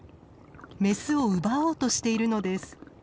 メスを奪おうとしているのです。